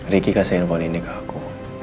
riki kasih handphone ini ke aku